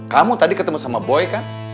kamu tadi ketemu sama boy kan